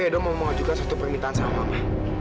tapi edo mau mengajukan satu permintaan sama mama